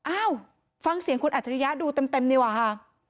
อ้าวฟังเสียงคุณอัจฉริยะดูเต็มดีกว่าค่ะ